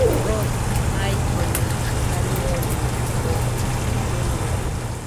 Rosa, mai kuena arɨ ono, kue ɨnɨra